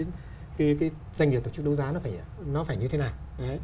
cái doanh nghiệp tổ chức đấu giá nó phải như thế nào